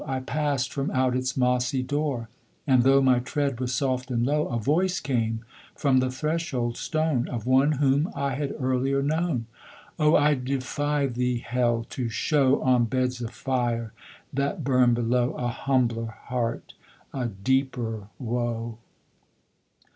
I pass'd from out its mossy door, And, tho' my tread was soft and low, A voice came from the threshold stone Of one whom I had earlier known O, I defy thee, Hell, to show On beds of fire that burn below, A humbler heart a deeper woe.